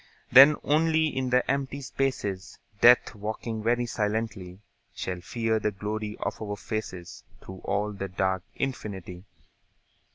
Then only in the empty spaces, Death, walking very silently, Shall fear the glory of our faces Through all the dark infinity.